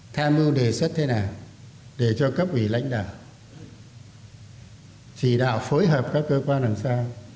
tham mưu đề xuất thế nào để cho các vị lãnh đạo chỉ đạo phối hợp các cơ quan làm sao